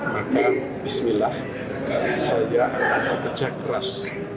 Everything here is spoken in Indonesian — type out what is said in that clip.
maka bismillah saya akan bekerja keras